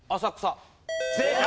正解！